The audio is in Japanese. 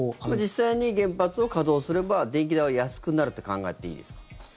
実際に原発を稼働すれば電気代は安くなるって考えていいですか？